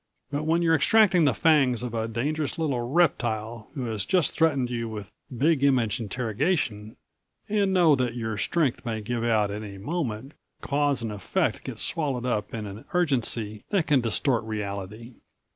But when you're extracting the fangs of a dangerous little reptile who has just threatened you with Big Image interrogation and know that your strength may give out at any moment cause and effect get swallowed up in an urgency that can distort reality.